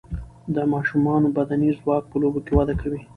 د ماشومان بدني ځواک په لوبو کې وده کوي.